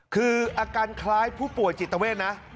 คืออาการคล้ายผู้ป่วยจิตเวทนะ